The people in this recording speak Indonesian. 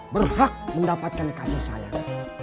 berhak mendapatkan kasus sayang